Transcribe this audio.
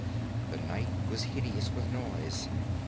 The night was hideous with noise.